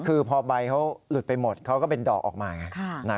คือพอใบเขาหลุดไปหมดเขาก็เป็นดอกออกมาไง